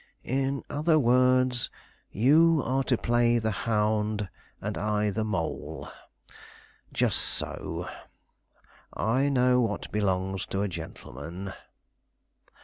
"In other words, you are to play the hound, and I the mole; just so, I know what belongs to a gentleman."